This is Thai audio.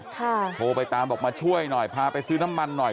โทรไปตามบอกมาช่วยหน่อยพาไปซื้อน้ำมันหน่อย